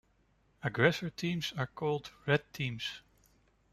Aggressor teams are called "red" teams.